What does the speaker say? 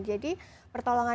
jadi pertolongan pertama